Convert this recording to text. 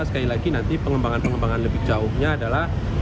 sekali lagi nanti pengembangan pengembangan lebih jauhnya adalah